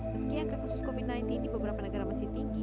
meski angka kasus covid sembilan belas di beberapa negara masih tinggi